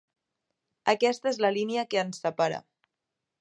Aquesta és la línia que ens separa.